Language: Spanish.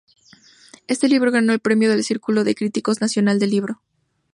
Este libro ganó el Premio del Círculo de Críticos Nacional del Libro.